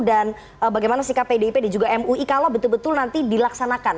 dan bagaimana sikap pdip dan juga mui kalau betul betul nanti dilaksanakan